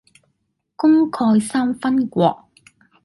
功蓋三分國